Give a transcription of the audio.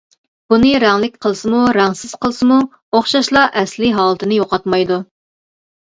بۇنى رەڭلىك قىلسىمۇ رەڭسىز قىلسىمۇ ئوخشاشلا ئەسلى ھالىتىنى يوقاتمايدۇ.